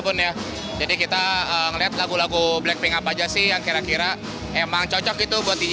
ya jadi kita melihat lagu lagu blackpink apa aja sih yang kira kira emang cocok itu buat